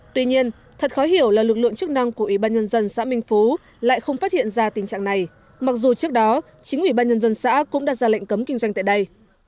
tuy nhiên thật khó hiểu là lực lượng chức năng của ủy ban nhân dân xã minh phú lại không phát hiện ra tình trạng này mặc dù trước đó chính ủy ban nhân dân xã cũng đã ra lệnh cấm kinh doanh tại đây